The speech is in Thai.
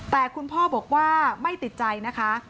แต่คุณพ่อบอกว่าไม่ติดใจนะคะ